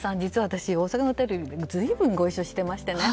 私、大阪のテレビで随分ご一緒していましてね